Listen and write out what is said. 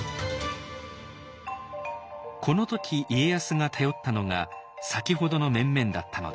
この時家康が頼ったのが先ほどの面々だったのです。